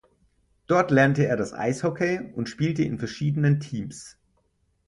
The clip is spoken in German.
Dort lernte er das Eishockey und spielte in verschiedenen Teams.